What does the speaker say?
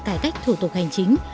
cải cách thủ tục hành chính